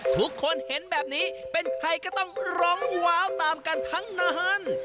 ทุกคนเห็นแบบนี้เป็นใครก็ต้องร้องว้าวตามกันทั้งนาน